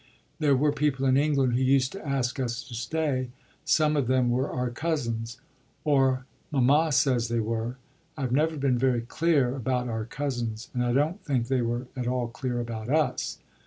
There were people in England who used to ask us to stay; some of them were our cousins or mamma says they were. I've never been very clear about our cousins and I don't think they were at all clear about us.